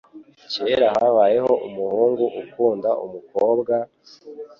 Kera habayeho umuhungu ukunda umukobwa,